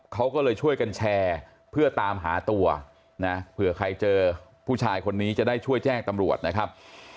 เขาก็เลยช่วยกันแชร์เพื่อตามหาตัวนะเผื่อใครเจอผู้ชายคนนี้จะได้ช่วยแจ้งตำรวจนะครับ